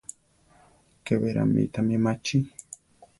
Ke berá mi tami machí.